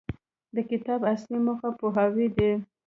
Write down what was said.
د کتاب اصلي موخه پوهاوی دی.